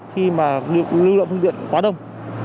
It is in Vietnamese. khi mà lưu lượng phương tiện quá đông